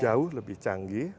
jauh lebih canggih